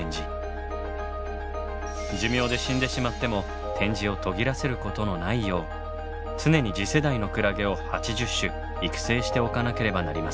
寿命で死んでしまっても展示を途切らせることのないよう常に次世代のクラゲを８０種育成しておかなければなりません。